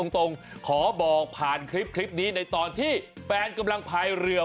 ขอบอกผ่านคลิปนี้ในตอนที่แฟนกำลังพายเรือ